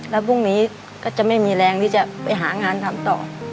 แล้วพรุ่งนี้ก็จะไม่มีแรงที่จะไปหางานทำต่อ